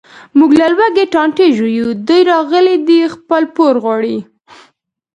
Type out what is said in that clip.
موږ له لوږې ټانټې ژویو، دی راغلی دی خپل پور غواړي.